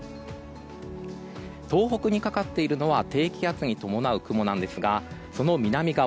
東北にかかっているのは低気圧に伴う雲なんですがその南側